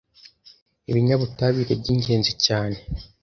ibinyabutabire by’ingenzi cyane